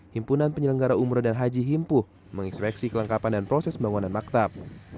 himpunan penyelenggara umroh dan haji himpuh mengekspeksi kelengkapan dan proses pembangunan maktab